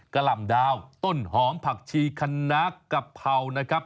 กะล่ำดาวต้นหอมผักชีขนาคกับเผานะครับ